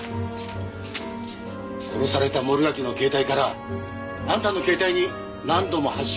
殺された森脇の携帯からあんたの携帯に何度も発信があった。